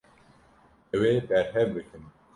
Ew ê berhev bikin.